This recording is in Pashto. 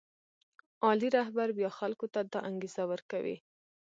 عالي رهبر بیا خلکو ته دا انګېزه ورکوي.